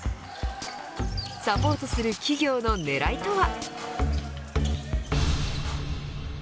サポートする企業の狙いとは。